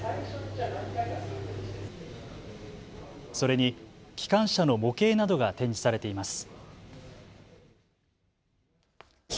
それに機関車の模型などが展示されています。